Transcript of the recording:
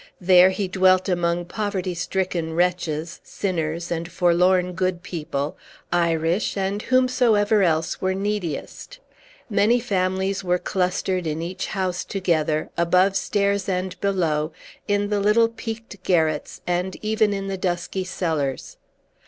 There he dwelt among poverty stricken wretches, sinners, and forlorn good people, Irish, and whomsoever else were neediest. Many families were clustered in each house together, above stairs and below, in the little peaked garrets, and even in the dusky cellars.